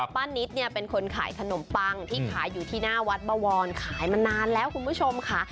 ป้านิตเนี่ยเป็นคนขายขนมปังที่ขายอยู่ที่หน้าวัดบวรขายมานานแล้วคุณผู้ชมค่ะ